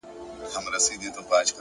د کافي لوګی د سهار فضا نرموي.!